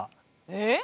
えっ？